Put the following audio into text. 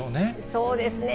そうですね。